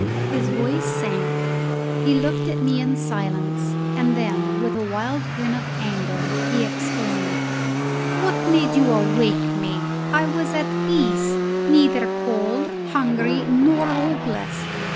His voice sank; he looked at me in silence, and then with a wild grin of anger he exclaimed, "What made you awake me? I was at peace neither cold, hungry, nor hopeless!